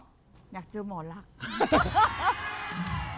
อยากเจอหมอลักษณ์